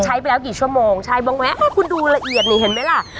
ใช้ไปแล้วกี่ชั่วโมงใช้บ้างแวะคุณดูละเอียดนี่เห็นไหมล่ะ